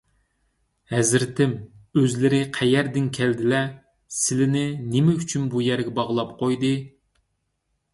ھەزرىتىم، ئۆزلىرى قەيەردىن كەلدىلە؟ سىلىنى نېمە ئۈچۈن بۇ يەرگە باغلاپ قويدى؟